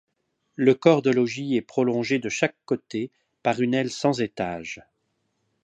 Le corps de logis est prolongé de chaque côté par une aile sans étage.